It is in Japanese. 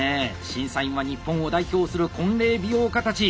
審査員は日本を代表する婚礼美容家たち！